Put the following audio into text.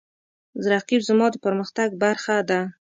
رقیب زما د پرمختګ برخه ده